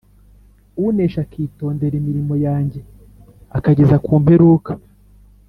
“Unesha akitondera imirimo yanjye akageza ku mperuka,